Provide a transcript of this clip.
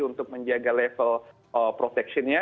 untuk menjaga level protection nya